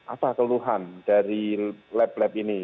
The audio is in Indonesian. apa keluhan dari lab lab ini